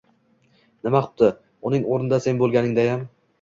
— Nima qipti, uning o’rnida sen bo’lganingdayam…